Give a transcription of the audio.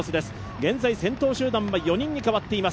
現在、先頭集団は４人に変わっています。